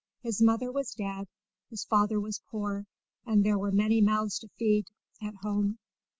His mother was dead, his father was poor, and there were many mouths at home to feed.